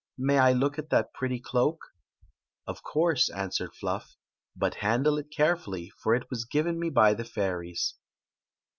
nay I look at diat pretty cloak ?"" Of coiirse," answered Fluff; «but handle it care fully, for it was ^ Ven me by the fairies."